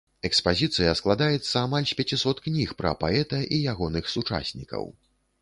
Экспазіцыя складаецца амаль з пяцісот кніг пра паэта і ягоных сучаснікаў.